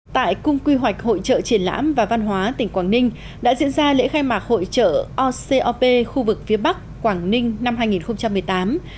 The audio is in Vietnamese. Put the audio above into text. tại cung quy hoạch hội trợ triển lãm và văn hóa tỉnh quảng ninh đã diễn ra lễ khai mạc hội trợ ocop khu vực phía bắc quảng ninh năm hai nghìn một mươi tám